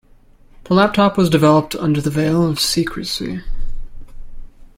The laptop was developed under the veil of secrecy.